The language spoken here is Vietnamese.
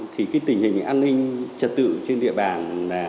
thì cái tình hình an ninh trật tự trên địa bàn